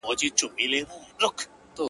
که دي نه وي زده ټول عمر دي تباه دی!!